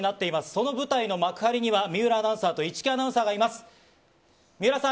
その舞台の幕張には、水卜アナウンサーと市來アナウンサーがいます。